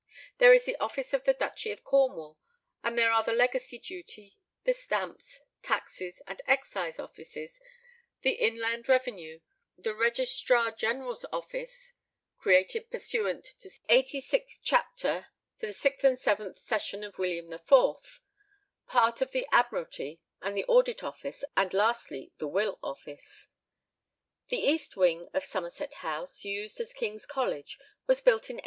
There is the office of the Duchy of Cornwall, and there are the Legacy Duty, the Stamps, Taxes, and Excise Offices, the Inland Revenue Office, the Registrar General's Office (created pursuant to 6 and 7 Will. IV., c. 86), part of the Admiralty and the Audit Office, and lastly the Will Office. The east wing of Somerset House, used as King's College, was built in 1829.